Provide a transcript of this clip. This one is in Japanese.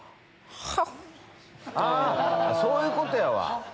そういうことやわ。